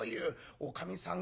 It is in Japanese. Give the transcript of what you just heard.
おかみさん